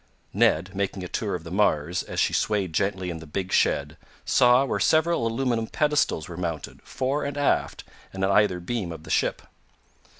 Ned, making a tour of the Mars, as she swayed gently in the big shed, saw where several aluminum pedestals were mounted, fore and aft and on either beam of the ship.